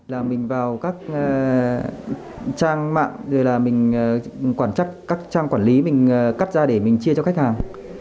là mình vào các trang mạng rồi là mình quản trắc các trang quản lý mình cắt ra để mình chia cho khách hàng